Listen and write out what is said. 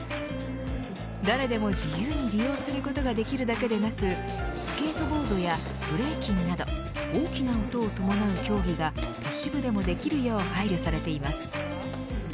誰でも自由に利用することができるだけでなくスケートボードやブレイキンなど大きな音を伴う競技が都市部でもできるよう配慮されています。